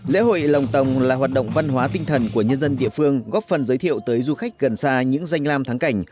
lễ hội lồng tồng là hoạt động văn hóa tinh thần của nhân dân địa phương góp phần giới thiệu tới du khách gần xa những danh lam thắng cảnh